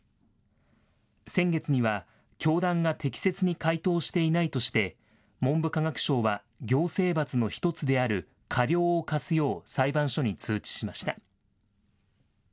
先月には教団が適切に回答していないとして文部科学省は行政罰の１つである過料を科すよう裁判所に通知しました。